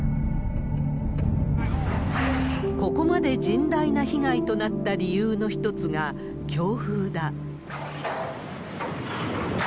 ここまで甚大な被害となった理由の一つが、強風だ。